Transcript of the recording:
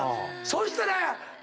そしたら。